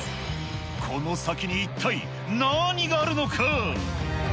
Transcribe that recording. この先に一体何があるのか。